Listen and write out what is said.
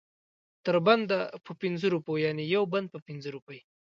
تر بنده په پنځو روپو یعنې یو بند په پنځه روپۍ.